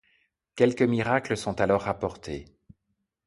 Quelques miracles sont alors rapportés.